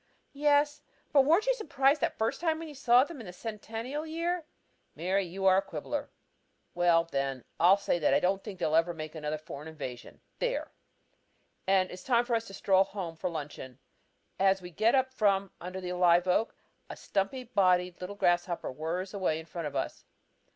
"Yes, but weren't you surprised that first time you saw them in the Sentinel year?" "Mary, you are a quibbler. Well, then, I'll say that I don't think they'll ever make another foreign invasion. There!" It is time for us to stroll home for luncheon. As we get up from under the live oak, a stumpy bodied little grasshopper whirs away in front of us.